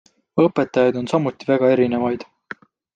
Õpetajaid on samuti väga erinevaid.